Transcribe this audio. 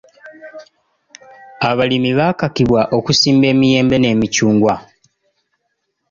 Abalimi baakakibwa okusimba emiyembe n'emiccungwa.